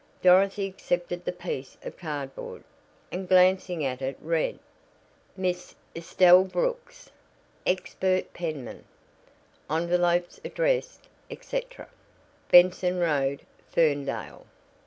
Dorothy accepted the piece of cardboard, and glancing at it read: MISS ESTELLE BROOKS Expert Penman _Envelopes addressed, etc. Benson Road, Ferndale.